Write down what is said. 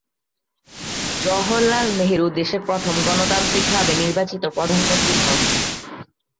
জওহরলাল নেহেরু দেশের প্রথম গণতান্ত্রিকভাবে নির্বাচিত প্রধানমন্ত্রী হন।